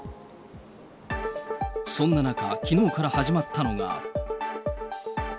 そんな中、きのうから始まったのが。